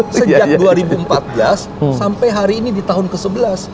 sejak dua ribu empat belas sampai hari ini di tahun ke sebelas